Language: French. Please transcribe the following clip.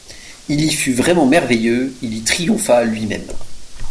Il y fut vraiment merveilleux, il y triompha lui-même.